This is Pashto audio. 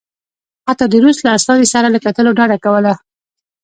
حتی د روس له استازي سره له کتلو ډډه کوله.